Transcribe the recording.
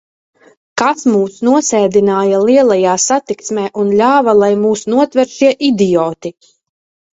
Kas mūs nosēdināja lielajā satiksmē un ļāva, lai mūs notver šie idioti?